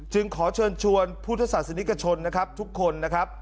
จึงขอเชิญชวนผู้ทศสนิกชนทุกคน